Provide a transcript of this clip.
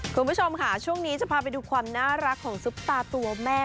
คุณผู้ชมค่ะช่วงนี้จะพาไปดูความน่ารักของซุปตาตัวแม่